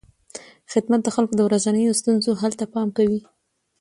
خدمت د خلکو د ورځنیو ستونزو حل ته پام کوي.